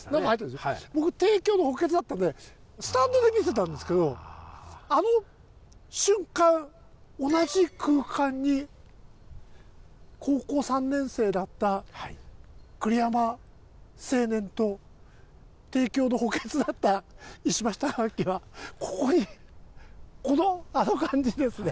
僕帝京の補欠だったのでスタンドで見てたんですけどあの瞬間同じ空間に高校３年生だった栗山青年と帝京の補欠だった石橋貴明はここにあの感じですね。